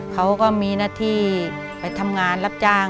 เขาก็มีหน้าที่ไปทำงานรับจ้าง